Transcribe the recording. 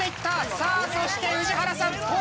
さあそして宇治原さん。